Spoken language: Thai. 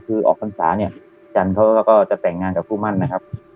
คือออกภัณฑ์สาเนี้ยจันเขาก็จะแต่งงานกับผู้มั่นนะครับ